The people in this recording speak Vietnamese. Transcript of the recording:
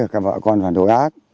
các vợ con phản đối ác